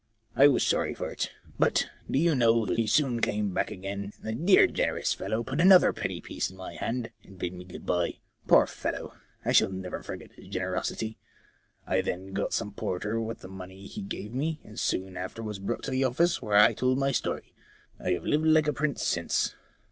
I was sorry for it. But, do you know, he soon came back again, and the dear generous fellow put another penny piece into my hand and bid me good bye. Poor fellow, I shall never forget his generosity. I then got some porter with the money he gave me, and soon after was brought to the office, where I told my st^ry. I have lived like a prince since.'